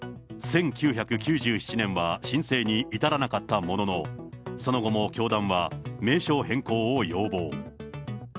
１９９７年は申請に至らなかったものの、その後も教団は名称変更を要望。